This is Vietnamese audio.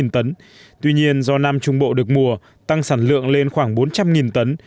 hai trăm sáu mươi sáu tấn tuy nhiên do năm trung bộ được mùa tăng sản lượng lên khoảng bốn trăm linh tấn